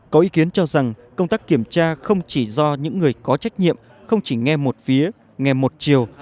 có ý kiến cho rằng công tác kiểm tra không chỉ do những người có trách nhiệm không chỉ nghe một phía nghe một chiều